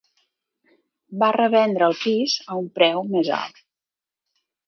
Va revendre el pis a un preu més alt.